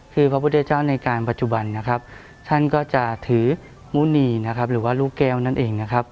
คือพระพุทธเจ้าในการปัจจุบันท่านก็จะถือมุณีหรือว่ารูปแก้วนั่นเอง